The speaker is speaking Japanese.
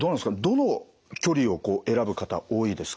どの距離をこう選ぶ方多いですか？